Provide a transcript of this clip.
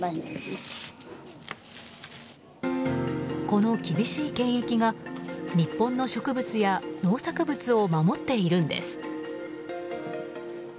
この厳しい検疫が日本の植物や農作物を守っているんです。